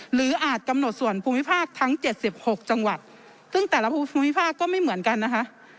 อาจกำหนดส่วนภูมิภาคทั้ง๗๖จังหวัดซึ่งแต่ละภูมิภาคก็ไม่เหมือนกันนะคะ